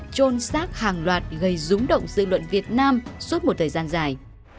trôn xác hàng loạt gây rúng động dư luận việt nam suốt một thời gian dài